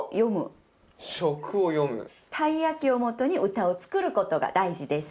たい焼きをもとに歌を作ることが大事です。